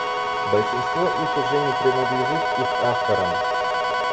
Большинство их уже не принадлежит их авторам.